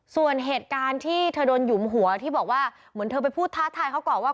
ส่วนเหตุการณ์ที่เธอโดนหยุมหัวที่บอกว่าเหมือนเธอไปพูดท้าทายเขาก่อนว่า